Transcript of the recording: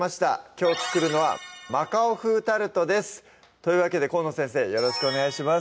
きょう作るのは「マカオ風タルト」ですというわけで河野先生よろしくお願いします